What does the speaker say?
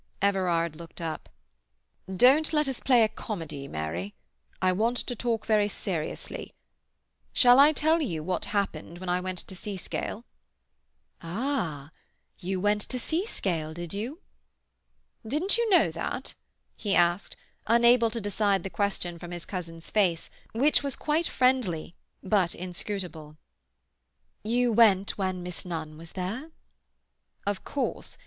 Everard looked up. "Don't let us play a comedy, Mary. I want to talk very seriously. Shall I tell you what happened when I went to Seascale?" "Ah, you went to Seascale, did you?" "Didn't you know that?" he asked, unable to decide the question from his cousin's face, which was quite friendly, but inscrutable. "You went when Miss Nunn was there?" "Of course.